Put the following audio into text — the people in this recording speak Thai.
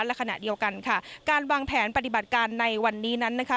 และขณะเดียวกันค่ะการวางแผนปฏิบัติการในวันนี้นั้นนะคะ